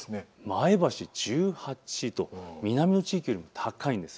前橋１８度、南の地域よりも高いんです。